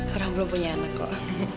orang belum punya anak kok